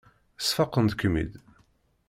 Sfaqent-kem-id.